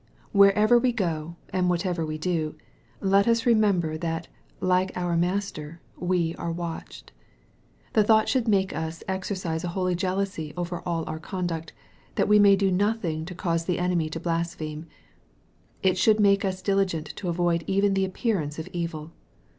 Wherever we go, and whatever we do, let us remember that, like our Master, we are " watched/' The thought should make us exercise a holy jealousy over all our conduct, that we may do nothing to cause the enemy to blaspheme. It should make us diligent to avoid even the " appearance of evil."